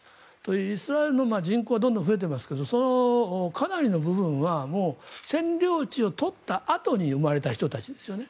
イスラエルの人口はどんどん増えてますがそのかなりの部分はもう占領地を取ったあとに生まれた人たちですよね。